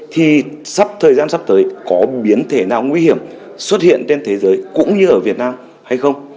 thì sắp thời gian sắp tới có biến thể nào nguy hiểm xuất hiện trên thế giới cũng như ở việt nam hay không